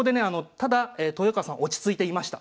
ただ豊川さん落ち着いていました。